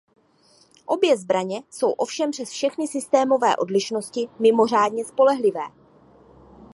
Obě zbraně jsou ovšem přes všechny systémové odlišnosti mimořádně spolehlivé.